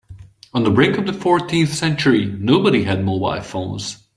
On the brink of the fourteenth century, nobody had mobile phones.